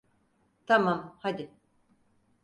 Tamam, hadi.